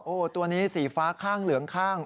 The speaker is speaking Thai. โอ้โหตัวนี้สีฟ้าข้างเหลืองข้าง